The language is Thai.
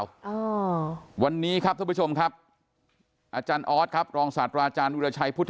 อ่อวันนี้ครับทุกครับอาจารย์ออสครับรองศาสตราอาจารย์วิลชัยพุทธวงศ์